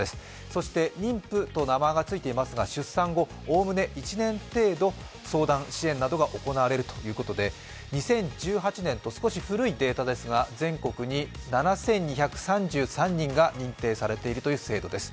そして妊婦と名前がついていますが、出産後、おおむね１年程度相談、支援などが行われるということで２０１８年と少し古いデータですが全国に７２３３人が認定されているという制度です。